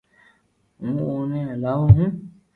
ھون اوني ھلاوُ ھون